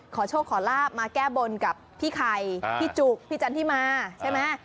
ขอโชคขอลาบมาแก้บนกับพี่ไข่พี่จุกพี่จันทิมาใช่ไหม